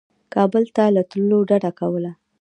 کابل ته له تللو ډده کوله.